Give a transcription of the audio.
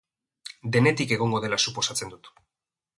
Denetik egongo dela suposatzen dut.